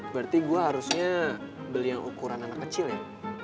berarti gue harusnya beli yang ukuran anak kecil ya